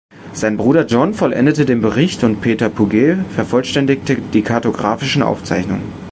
Sein Bruder John vollendete den Bericht und Peter Puget vervollständigte die kartografischen Aufzeichnungen.